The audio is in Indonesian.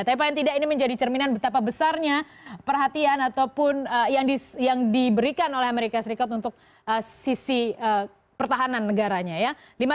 tapi paling tidak ini menjadi cerminan betapa besarnya perhatian ataupun yang diberikan oleh amerika serikat untuk sisi pertahanan negaranya ya